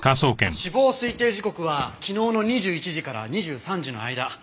死亡推定時刻は昨日の２１時から２３時の間。